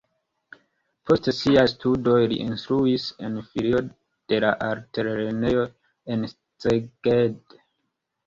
Post siaj studoj li instruis en filio de la altlernejo en Szeged.